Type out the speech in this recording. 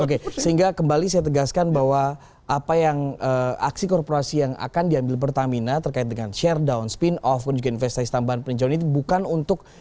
oke sehingga kembali saya tegaskan bahwa apa yang aksi korporasi yang akan diambil pertamina terkait dengan share down spin off dan juga investasi tambahan peninjauan ini bukan untuk